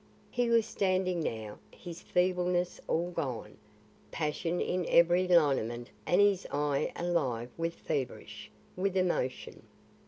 He was standing now, his feebleness all gone, passion in every lineament and his eye alive and feverish, with emotion.